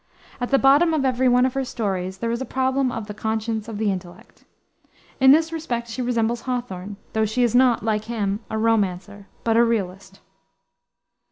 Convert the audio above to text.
At the bottom of every one of her stories, there is a problem of the conscience or the intellect. In this respect she resembles Hawthorne, though she is not, like him, a romancer, but a realist.